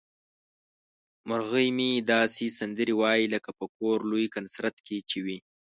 مرغۍ مې داسې سندرې وايي لکه په کوم لوی کنسرت کې چې وي.